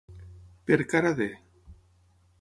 Per cara de.